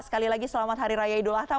sekali lagi selamat hari raya idul adha